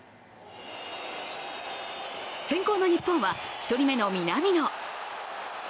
先攻の日本は１人目の南野。